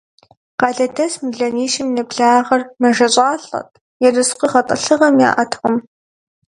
Къалэдэс мелуанищым нэблагъэр мэжэщӀалӀэт, ерыскъы гъэтӀылъыгъэ яӀэтэкъым.